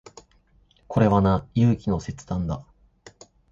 これはな、勇気の切断だ。